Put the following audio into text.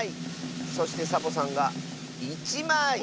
そしてサボさんが１まい！